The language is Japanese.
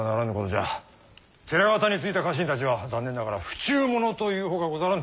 寺方についた家臣たちは残念ながら不忠者というほかござらぬ！